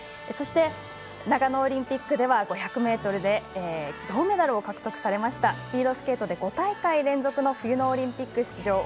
そして、長野オリンピックでは５００ｍで銅メダルを獲得されましたスピードスケートで５大会連続の冬のオリンピック出場